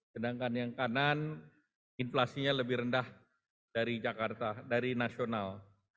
sedangkan yang kanan inflasinya lebih rendah dari jakarta dari nasional